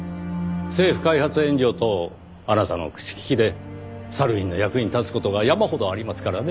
政府開発援助等あなたの口利きでサルウィンの役に立つ事が山ほどありますからね。